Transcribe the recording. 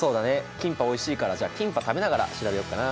キンパおいしいからじゃあキンパ食べながら調べようかな。